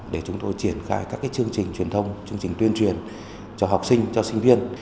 để chúng tôi triển khai các chương trình truyền thông chương trình tuyên truyền cho học sinh cho sinh viên